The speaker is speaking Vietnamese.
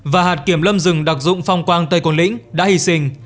và hạt kiểm lâm rừng đặc dụng phong quang tây côn lĩnh đã hy sinh